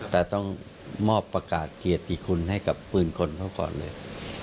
แต่ต้องมอบประกาศเกียรติคุณให้กับปืนคนเขาก่อนเลย